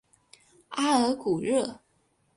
阿尔古热。